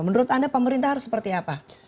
menurut anda pemerintah harus seperti apa